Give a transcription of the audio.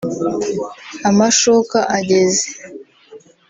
Amashoka ageze